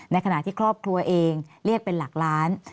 ในขณะที่ครอบครัวเองเรียกเป็นหลักล้าน